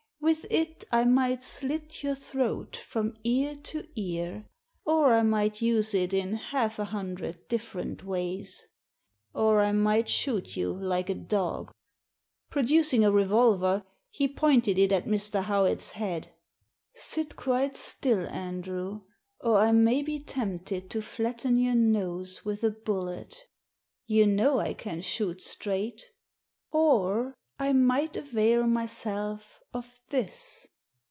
"With it I might slit your throat from ear to ear, or I might use it in half a hundred different ways. Or I might shoot you like a dog." Producing a revolver, he pointed it at Mr. Howitfs head. "Sit quite still, Andrew, or I may be tempted to flatten your nose with a bullet You know I can shoot straight. Or I might avail myself of this."